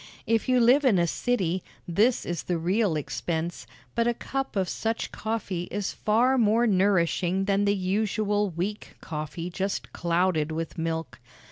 If you live in a city, this is the real expense; but a cup of such coffee is far more nourishing than the usual weak coffee just clouded with milk.